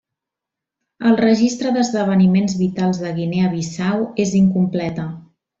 El registre d'esdeveniments vitals de Guinea Bissau és incompleta.